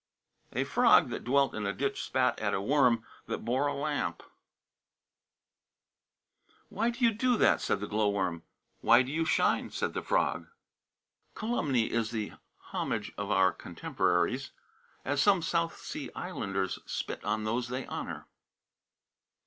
"A frog that dwelt in a ditch spat at a worm that bore a lamp. "'Why do you do that?' said the glow worm. "'Why do you shine?' said the frog." "Calumny is the homage of our contemporaries, as some South Sea Islanders spit on those they honor."